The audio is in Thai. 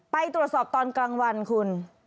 ไปตรวจสอบตอนกลางวันคุณ